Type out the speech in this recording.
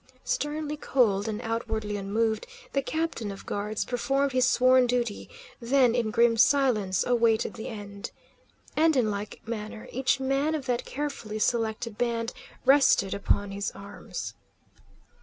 Sternly cold, and outwardly unmoved, the captain of guards performed his sworn duty, then in grim silence awaited the end. And in like manner each man of that carefully selected band rested upon his arms.